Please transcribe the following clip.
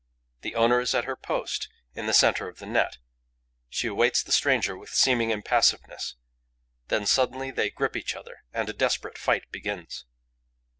The owner is at her post, in the centre of the net. She awaits the stranger with seeming impassiveness. Then suddenly they grip each other; and a desperate fight begins.